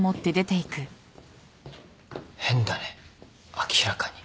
変だね明らかに。